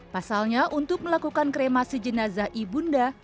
pasalnya untuk melakukan kremasi jenazah ibunda